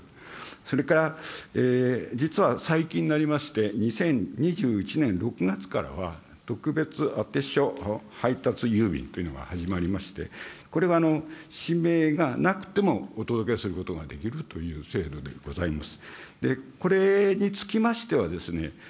それから実は、最近になりまして、２０２１年６月からは、特別宛て書配達郵便というのが始まりまして、これは氏名がなくてもお届けすることができるという制度でございます。